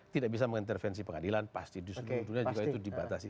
tidak bisa mengintervensi pengadilan pasti di seluruh dunia juga itu dibatasi